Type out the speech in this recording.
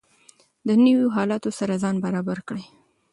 د نویو حالاتو سره ځان برابر کړئ.